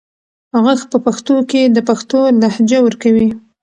غږ په پښتو کې د پښتو لهجه ورکوي.